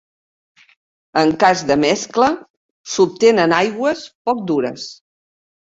En cas de mescla s'obtenen aigües poc dures.